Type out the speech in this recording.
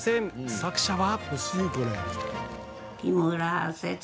作者は。